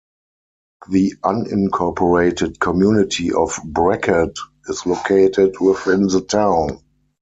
The unincorporated community of Brackett is located within the town.